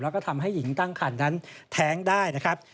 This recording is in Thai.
แล้วก็ทำให้หญิงตั้งคันนั้นแท้งได้นะครับ